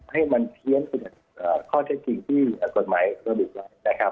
ให้มันเพี้ยนเป็นข้อเท็จจริงที่กฎหมายระบุไว้นะครับ